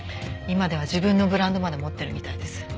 今では自分のブランドまで持ってるみたいです。